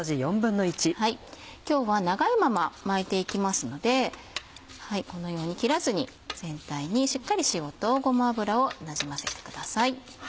今日は長いまま巻いていきますのでこのように切らずに全体にしっかり塩とごま油をなじませてください。